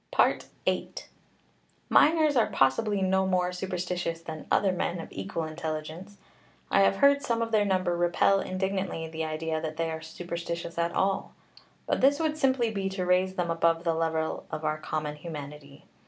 VIII. Miners are possibly no more superstitious than other men of equal intelligence; I have heard some of their number repel indignantly the idea that they are superstitious at all; but this would simply be to raise them above the level of our common humanity.